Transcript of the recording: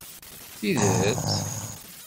Tidet?